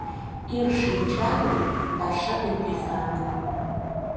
Ир шинчаным да шыде тӱсаным.